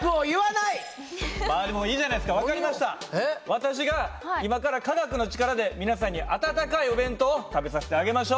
私が今から科学の力で皆さんに温かいお弁当を食べさせてあげましょう。